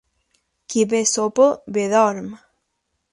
Qui bé sopa, bé dorm.